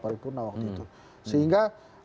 paripurna waktu itu sehingga